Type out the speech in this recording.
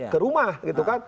ke rumah gitu kan